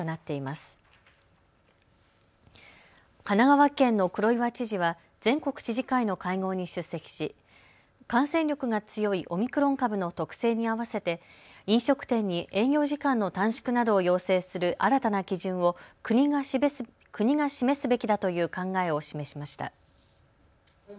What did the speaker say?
神奈川県の黒岩知事は全国知事会の会合に出席し感染力が強いオミクロン株の特性に合わせて飲食店に営業時間の短縮などを要請する新たな基準を国が示すべきだという考えを示しました。